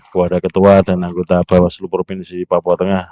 kepada ketua dan anggota bawaslu provinsi papua tengah